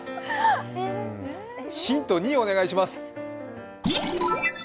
ヒント２、お願いします。